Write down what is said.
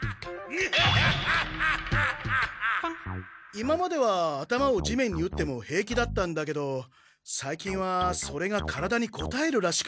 今までは頭を地面に打っても平気だったんだけどさいきんはそれが体にこたえるらしく。